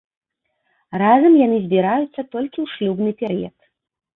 Разам яны збіраюцца толькі ў шлюбны перыяд.